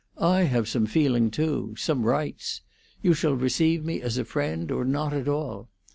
I have some feeling too—some rights. You shall receive me as a friend, or not at all!